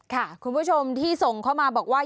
คุณผู้ชมที่ส่งเข้ามาบอกว่า